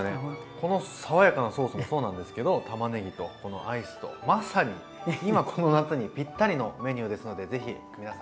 この爽やかなソースもそうなんですけどたまねぎとこのアイスとまさに今この夏にぴったりのメニューですので是非皆さんつくってみて下さい。